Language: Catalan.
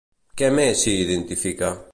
Què més s'hi identifica?